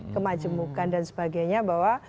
kemajemukan dan sebagainya bahwa